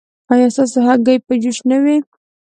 ایا ستاسو هګۍ به جوش نه وي؟